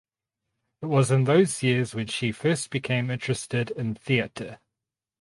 It was in those years when she first became interested in theatre.